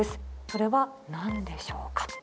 それは何でしょうか？